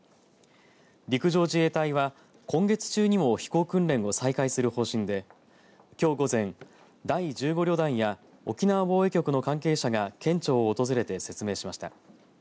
陸上自衛隊は今月中にも飛行訓練を再開する方針できょう午前、第１５旅団や沖縄防衛局の関係者が県庁を訪れて説明しました。